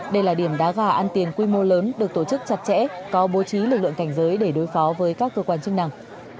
đây là điểm đá gà ăn tiền quy mô lớn được tổ chức chặt chẽ có bố trí lực lượng cảnh giới để đối phó với các cơ quan chức năng